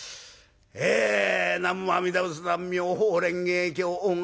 え南無阿弥陀仏南無妙法蓮華経。